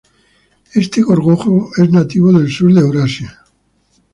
Este gorgojo es nativo del sur de Eurasia.